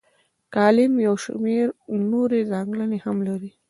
کالم یو شمیر نورې ځانګړنې هم لري.